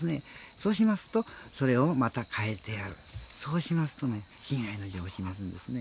そうしますとまたそれを変えてやるそうしますとね親愛の情を示すんですね。